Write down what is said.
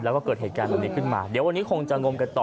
แล้วก็เกิดเหตุการณ์แบบนี้ขึ้นมาเดี๋ยววันนี้คงจะงมกันต่อ